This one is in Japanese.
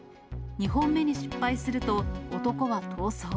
２本目に失敗すると、男は逃走。